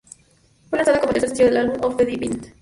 Fue lanzada como el tercer sencillo del álbum "Off the Deep End".